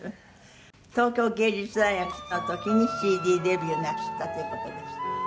東京藝術大学の時にＣＤデビューをなすったという事です。